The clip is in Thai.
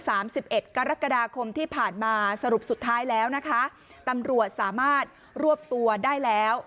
สิบเอ็ดกรกฎาคมที่ผ่านมาสรุปสุดท้ายแล้วนะคะตำรวจสามารถรวบตัวได้แล้ว